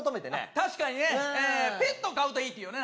確かにねペット飼うといいっていうよね